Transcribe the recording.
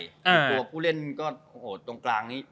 คือตัวผู้เล่นก็โอ้โหตรงกลางนี้